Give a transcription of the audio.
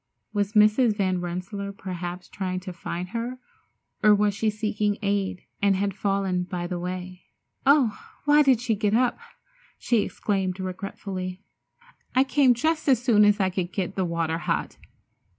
Was Mrs. Van Rensselaer perhaps trying to find her, or was she seeking aid, and had fallen by the way? "Oh, why did she get up!" she exclaimed regretfully. "I came just as soon as I could get the water hot!"